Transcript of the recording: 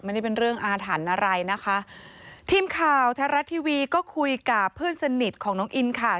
ไม่ได้เป็นเรื่องอาถรรพ์อะไรนะคะทีมข่าวแท้รัฐทีวีก็คุยกับเพื่อนสนิทของน้องอินค่ะ